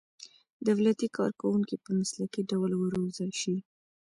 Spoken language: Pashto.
دولتي کارکوونکي په مسلکي ډول وروزل شي.